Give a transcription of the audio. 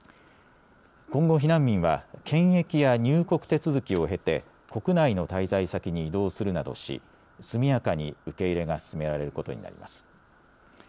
今後、避難民は検疫や入国手続きを経て国内の滞在先に移動するなどし速やかに受け入れが進められることになります。